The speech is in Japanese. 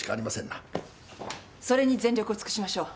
それに全力を尽くしましょう。